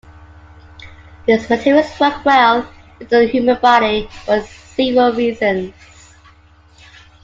These materials work well within the human body for several reasons.